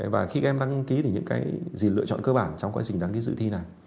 và khi các em đăng ký thì những cái gì lựa chọn cơ bản trong quá trình đăng ký dự thi này